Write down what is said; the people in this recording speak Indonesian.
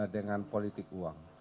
dengan politik uang